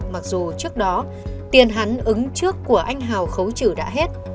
mặc dù trước đó tiền hắn ứng trước của anh hào khấu trừ đã hết